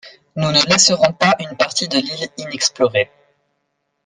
Nous ne laisserons pas une partie de l’île inexplorée